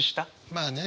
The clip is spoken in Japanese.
まあね。